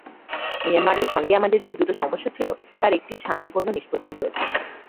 মিয়ানমারের সঙ্গে আমাদের যে দুটো সমস্যা ছিল তার একটির শান্তিপূর্ণ নিষ্পত্তি হয়েছে।